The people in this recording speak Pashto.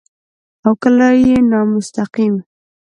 او کله يې نامستقيم